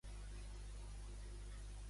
Què ha clausurat el govern de l'estat espanyol?